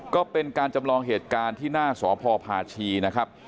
ก็เป็นการจำลองเหตุการณ์ที่หน้าสพพาชีนะครับ